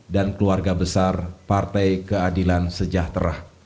dan keluarga besar partai keadilan sejahtera